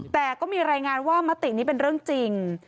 แต่ก็มีรายงานว่ามตินี้เป็นเรื่องจริง